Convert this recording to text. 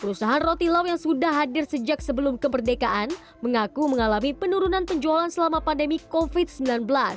perusahaan roti laut yang sudah hadir sejak sebelum kemerdekaan mengaku mengalami penurunan penjualan selama pandemi covid sembilan belas